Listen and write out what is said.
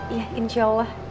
iya insya allah